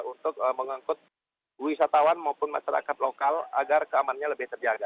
untuk mengangkut wisatawan maupun masyarakat lokal agar keamanannya lebih terjaga